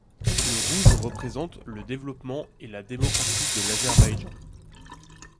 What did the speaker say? Le rouge représente le développement et la démocratie de l'Azerbaïdjan.